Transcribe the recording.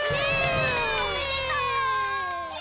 おめでとう！